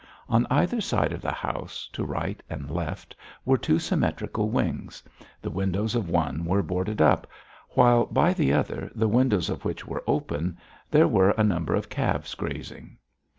On either side of the house, to right and left, were two symmetrical wings; the windows of one were boarded up, while by the other, the windows of which were open, there were a number of calves grazing.